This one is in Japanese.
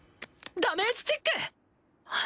ダメージチェック！